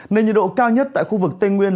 nên nhiệt độ cao nhất tại khu vực tây nguyên